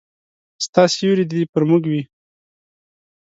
ستا سیوری دي پر موږ وي